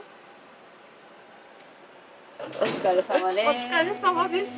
お疲れさまです。